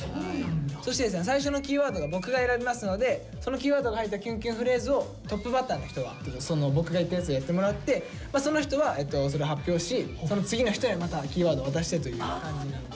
そしてですね最初のキーワードが僕が選びますのでそのキーワードが入ったキュンキュンフレーズをトップバッターの人は僕が言ったやつをやってもらってその人はそれを発表しその次の人へまたキーワード渡してという感じになります。